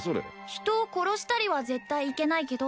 人を殺したりは絶対いけないけど